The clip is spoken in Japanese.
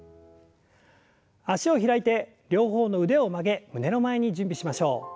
脚を開いて両方の腕を曲げ胸の前に準備しましょう。